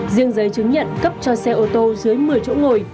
riêng giấy chứng nhận cấp cho xe ô tô dưới một mươi chỗ ngồi